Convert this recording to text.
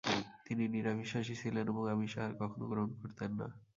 তিনি নিরামিষাসী ছিলেন এবং আমিষ আহার কখনো গ্রহণ করতেন না।